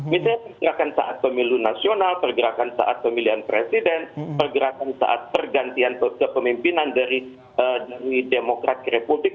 misalnya pergerakan saat pemilu nasional pergerakan saat pemilihan presiden pergerakan saat pergantian kepemimpinan dari demokrat ke republik